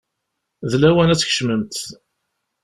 D lawan ad tkecmemt.